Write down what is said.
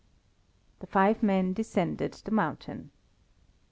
The five men descended the mountain.